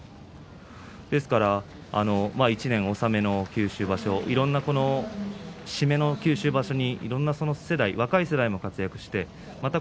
ですから１年納めの九州場所、いろいろな締めの九州場所にいろいろな若い世代が活躍しました。